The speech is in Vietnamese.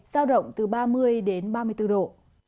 giao động từ ba mươi đến ba mươi bốn độ